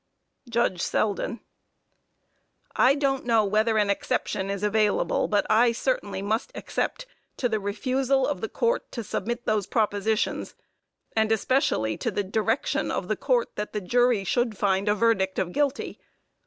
JUDGE SELDEN: I don't know whether an exception is available, but I certainly must except to the refusal of the Court to submit those propositions, and especially to the direction of the Court that the jury should find a verdict of guilty.